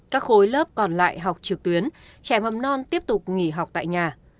các khối lớp còn lại học trực tuyến trẻ mầm non tiếp tục nghỉ học tại nhà